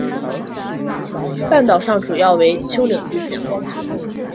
半岛上主要为丘陵地形。